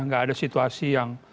gak ada situasi yang